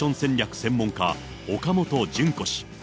専門家、岡本純子氏。